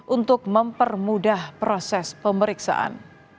untuk mempermudah proses pemeriksaan